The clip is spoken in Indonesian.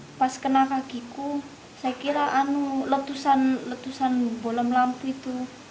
lalu pas kena kakiku saya kira letusan bolam lampu itu